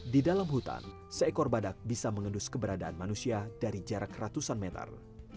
di dalam hutan seekor badak bisa mengendus keberadaan manusia dari jarak ratusan meter